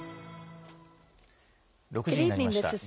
６時になりました。